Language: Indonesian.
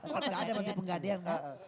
kalau enggak ada menteri penggadean enggak